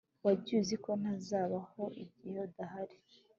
Wagiye uziko ntazabaho igihe udahari